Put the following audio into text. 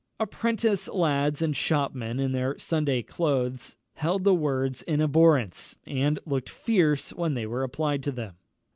Apprentice lads and shopmen in their Sunday clothes held the words in abhorrence, and looked fierce when they were applied to them.